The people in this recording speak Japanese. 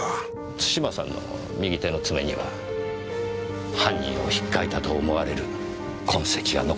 津島さんの右手の爪には犯人を引っ掻いたと思われる痕跡が残ってました。